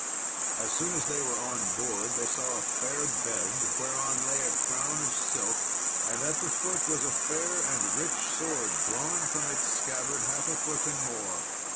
As soon as they were on board they saw a fair bed; whereon lay a crown of silk, and at the foot was a fair and rich sword drawn from its scabbard half a foot and more.